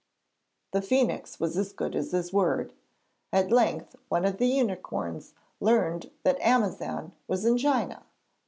The phoenix was as good as his word. At length one of the unicorns learned that Amazan was in China.